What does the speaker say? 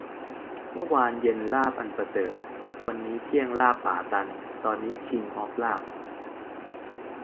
เมื่อวานเย็นลาบอันประเสริฐ วันนี้เที่ยงลาบป่าตัน ตอนนี้คิงส์ออฟลาบ